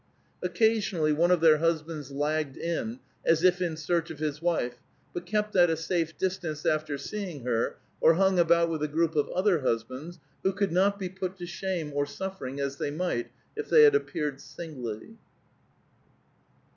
Occasionally, one of their husbands lagged in, as if in search of his wife, but kept at a safe distance, after seeing her, or hung about with a group of other husbands, who could not be put to shame or suffering as they might if they had appeared singly.